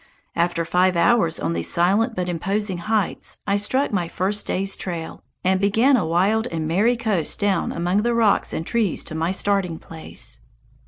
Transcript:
After five hours on these silent but imposing heights I struck my first day's trail, and began a wild and merry coast down among the rocks and trees to my starting place.